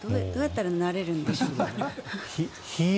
どうやったらなれるんでしょうか？